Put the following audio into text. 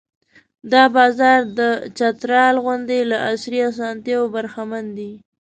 دا بازار د چترال غوندې له عصري اسانتیاوو برخمن دی.